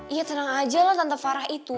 iya tenang aja lah tanpa farah itu